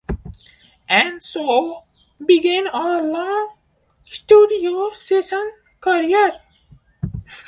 And so began a long studio session career.